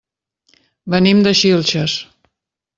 Venim de Xilxes.